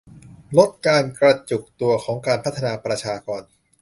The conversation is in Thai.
ลดการกระจุกตัวของการพัฒนาประชากร